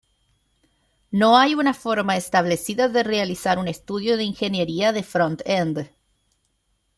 No hay una forma establecida de realizar un estudio de ingeniería de "front-end".